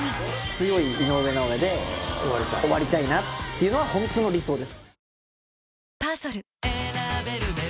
強い井上尚弥で終わりたいなっていうのはホントの理想です。